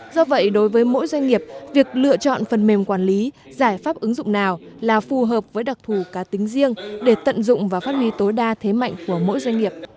do vậy đối với mỗi doanh nghiệp việc lựa chọn phần mềm quản lý giải pháp ứng dụng nào là phù hợp với đặc thù cá tính riêng để tận dụng và phát huy tối đa thế mạnh của mỗi doanh nghiệp